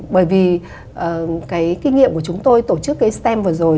bởi vì cái kinh nghiệm của chúng tôi tổ chức cái stem vừa rồi